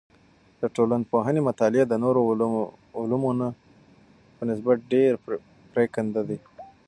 د ټولنپوهنې مطالعې د نورو علمونو په نسبت ډیر پریکنده دی.